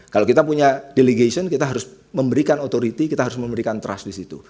kalau kita punya deligation kita harus memberikan authority kita harus memberikan trust di situ